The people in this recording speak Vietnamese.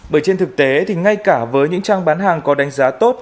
bởi trên thực tế thì ngay cả với những trang bán hàng có đánh giá tốt